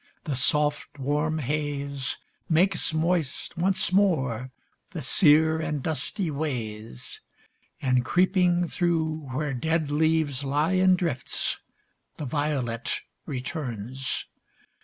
The soft, warm haze Makes moist once more the sere and dusty ways, And, creeping through where dead leaves lie in drifts, The violet returns.